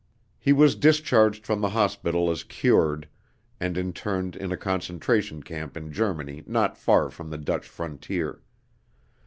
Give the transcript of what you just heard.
He was discharged from the hospital as cured, and interned in a concentration camp in Germany not far from the Dutch frontier.